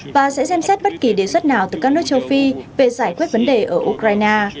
và sẽ xem xét bất kỳ đề xuất nào từ các nước châu phi về giải quyết vấn đề ở ukraine